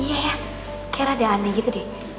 iya kayak rada aneh gitu deh